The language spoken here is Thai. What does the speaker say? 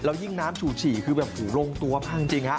แล้วยิ่งน้ำฉูฉี่คือแบบหูโล่งตัวมากจริงครับ